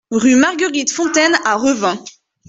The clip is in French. Rue Marguerite Fontaine à Revin